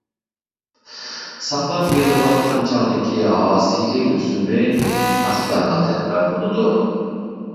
ساقلاپ بېرىلىۋاتقان چاغدىكى ھاسىلى ئۆسۈمى ھەقدارغا تەۋە بولىدۇ.